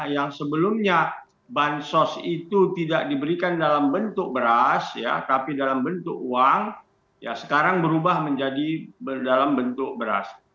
yang sebelumnya bansos itu tidak diberikan dalam bentuk beras tapi dalam bentuk uang ya sekarang berubah menjadi dalam bentuk beras